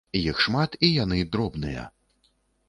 Іх шмат і яны дробныя.